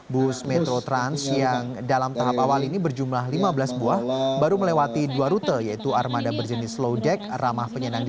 bus metro transjakarta